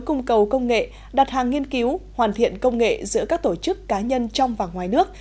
cung cầu công nghệ đặt hàng nghiên cứu hoàn thiện công nghệ giữa các tổ chức cá nhân trong và ngoài nước